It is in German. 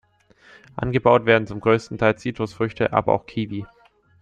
Angebaut werden zum größten Teil Zitrusfrüchte, aber auch Kiwi.